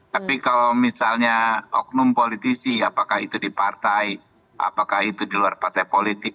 tapi kalau misalnya umum politisi apakah itu di partai apakah itu di luar partai politik